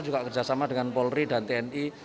juga kerjasama dengan polri dan tni